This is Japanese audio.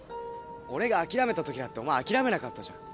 俺があきらめたときだってお前あきらめなかったじゃん。